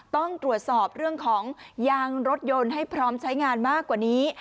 ต้องตรวจสอบเรื่องของยางรถยนต์ให้พร้อมใช้งานมากกว่านี้